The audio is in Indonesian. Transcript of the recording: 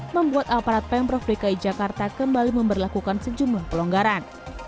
membuat aparat pemprov dki jakarta kembali memperlakukan sejumlah pelonggaran